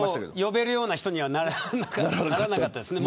呼べるような人にはならなかったですね。